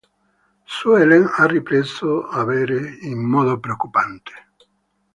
Sue Ellen ha ripreso a bere in modo preoccupante.